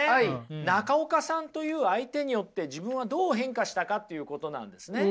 中岡さんという相手によって自分はどう変化したかっていうことなんですね。